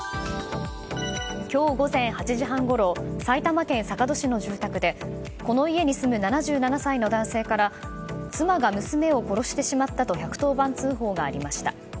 今日午前８時半ごろ埼玉県坂戸市の住宅でこの家に住む７７歳の男性から妻が娘を殺してしまったと１１０番通報がありました。